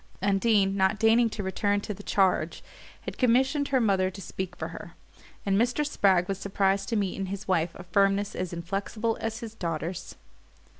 Undine, not deigning to return to the charge, had commissioned her mother to speak for her; and Mr. Spragg was surprised to meet in his wife a firmness as inflexible as his daughter's.